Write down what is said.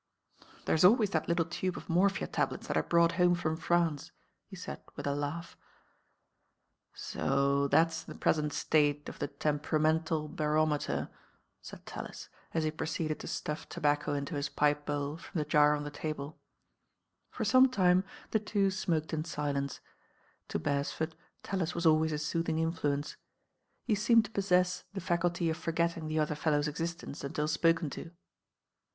"There's always that little tube of morphia tablets that I brought home from France," he said with a laugh. "So that's the present state of the temperamental DR. TALUS PRESCRIBES M * barometer." «i,d TiUii «• he proceeded to ituff tobacco into hie pipe bowl from the jar on the table For •ome ime the two imoked in lUence. To Bereiford Tailif was always a soothing influfnce. Me leemed to poMeu the faculty of forgetting the other fellow'i existence until spoken to.